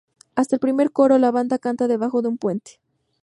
Hasta el primer coro, la banda canta debajo de un puente.